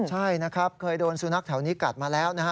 ใช่นะครับเคยโดนสุนัขแถวนี้กัดมาแล้วนะฮะ